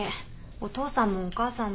お父さんもお母さんも。